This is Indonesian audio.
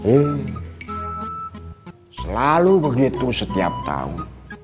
oh selalu begitu setiap tahun